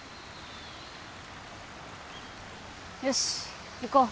よし行こう。